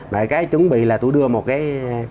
và cái chuẩn bị là tôi đưa một cái